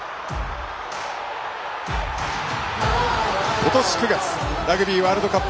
今年９月ラグビーワールドカップ